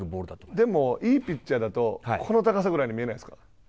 でも、いいピッチャーだと、この高さぐらいに見えないですか。